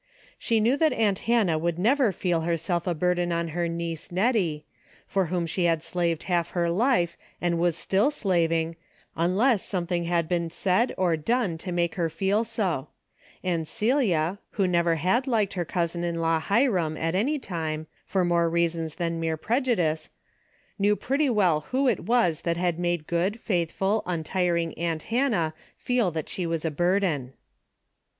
She knew that aunt Hannah would never feel herself a burden on her niece Nettie,. — for whom she had slaved half her life, and was still slaving, unless something had been said or done to make her feel so ; and Celia, who never had liked her cousin in law, Hiram, at any time, for more reasons than mere prejudice, knew 16 DAILY BATE:'> 17 pretty well who it was that had made good, faithful, untiring aunt Hannah feel that she was a burden.